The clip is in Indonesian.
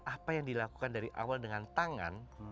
apa yang dilakukan dari awal dengan tangan